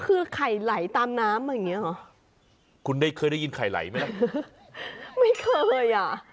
คือไข่ไหลตามน้ำอย่างเงี้หรอคุณได้เคยได้ยินไข่ไหลไหมล่ะไม่เคยอ่ะ